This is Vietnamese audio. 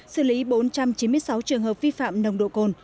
xử lý bốn trăm chín mươi sáu trường hợp vi phạm nồng độ cồn